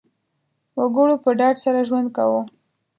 وګړو په ډاډ سره ژوند کاوه.